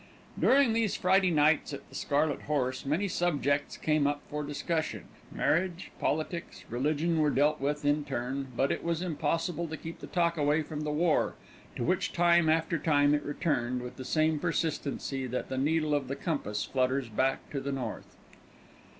During these Friday nights at the Scarlet Horse, many subjects came up for discussion; marriage, politics, religion were dealt with in turn, but it was impossible to keep the talk away from the War, to which time after time it returned with the same persistency that the needle of the compass flutters back to the north.